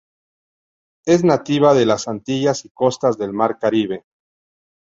Es nativa de las Antillas y costas del Mar Caribe.